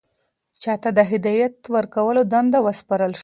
چا ته د هدایت ورکولو دنده وسپارل شوه؟